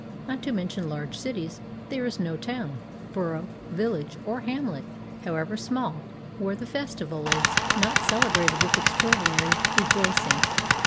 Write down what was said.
Not to mention large cities, there is no town, borough, village, or hamlet, however small, where the festival is 431 PERSIA not celebrated with extraordinary rejoicings.